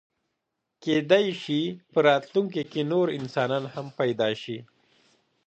کېدی شي په راتلونکي کې نور انسانان هم پیدا شي.